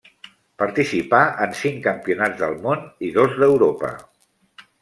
Participà en cinc Campionats del Món i dos d’Europa.